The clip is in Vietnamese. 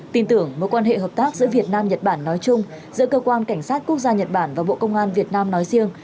tin tưởng mối quan hệ hợp tác giữa việt nam nhật bản nói chung giữa cơ quan cảnh sát quốc gia nhật bản và bộ công an việt nam nói riêng